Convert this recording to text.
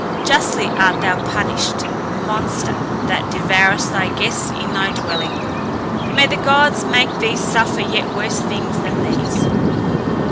Justly art thou punished, monster, that devourest thy guests in thy dwelling. May the gods make thee suffer yet worse things than these!"